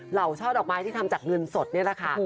เหล่าช่อดอกไม้ที่ทำจากเงินสดนี่แหละค่ะ